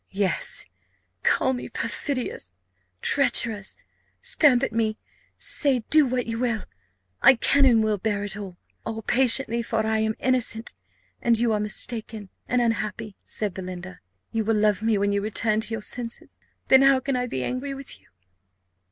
"Yes, call me perfidious, treacherous stamp at me say, do what you will; I can and will bear it all all patiently; for I am innocent, and you are mistaken and unhappy," said Belinda. "You will love me when you return to your senses; then how can I be angry with you?"